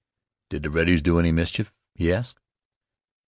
"Did the reddys do any mischief?" he asked.